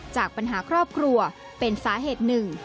จากปัญหาครอบครัวเป็นสาเหตุหนึ่ง